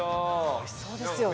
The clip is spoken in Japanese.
おいしそうですよね。